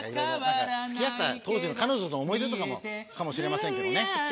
付き合ってた当時の彼女の思い出とかもかもしれませんけどね。